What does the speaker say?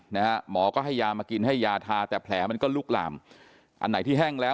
หมอก็ให้ยามากินให้ยาทาแต่แผลมันก็ลุกลามอันไหนที่แห้งแล้ว